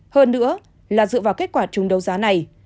hơn nữa là dựa vào kết quả chung đấu giá này